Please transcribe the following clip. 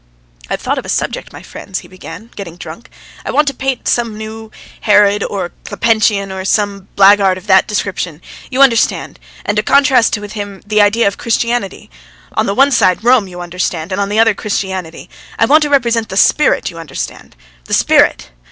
"I've thought of a subject, my friends," he began, getting drunk. "I want to paint some new ... Herod or Clepentian, or some blackguard of that description, you understand, and to contrast with him the idea of Christianity. On the one side Rome, you understand, and on the other Christianity. ... I want to represent the spirit, you understand? The spirit!"